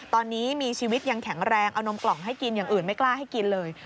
ตอนนี้มีชีวิตยังแข็งแรงเอานมกล่องให้กินอย่างอื่นไม่กล้าให้กินเลย